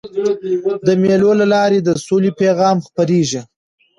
د مېلو له لاري د سولي پیغام خپرېږي.